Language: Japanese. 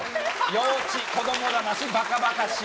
幼稚子供だまし、ばかばかしい。